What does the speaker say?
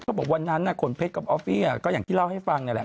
พวกบางวันนั้นกับขนเพชย์กับออฟฟี่อย่างที่เล่าให้ฟังเนี่ยแหละ